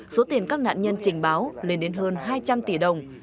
số tiền các nạn nhân trình báo lên đến hơn hai trăm linh tỷ đồng